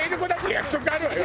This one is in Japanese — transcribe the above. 約束あるわよ。